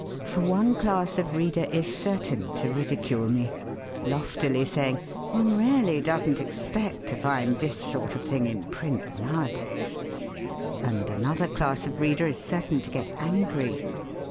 For one class of reader is certain to ridicule me, loftily saying: 'One really doesn't expect to find this sort of thing in print nowadays!' And another class of reader is certain to get angry.